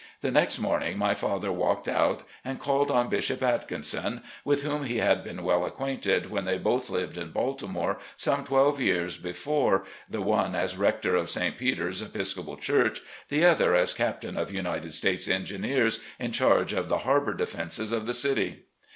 The next morning my father walked out and called on Bishop Atkin son, with whom he had been well acqiiainted when they both lived in Baltimore, some twelve years before, the one as rector of St. Peter's (Episcopal) church, the other as Captain of United States Engineers, in charge of the harbour defenses of the city.